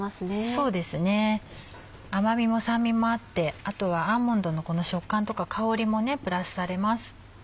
そうですね甘味も酸味もあってあとはアーモンドのこの食感とか香りもねプラスされます。